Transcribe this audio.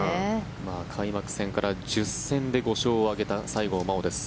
開幕戦から１０戦で５勝を挙げた西郷真央です。